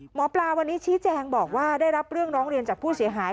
หมอปลาวันนี้ชี้แจงบอกว่าได้รับเรื่องร้องเรียนจากผู้เสียหาย